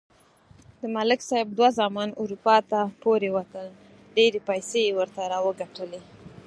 د ملک صاحب دوه زامن اروپا ته پورې وتل. ډېرې پیسې یې ورته راوگټلې.